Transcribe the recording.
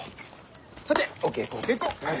さてお稽古お稽古。